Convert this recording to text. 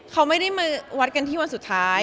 ก็คือวัดกันที่วันสุดท้าย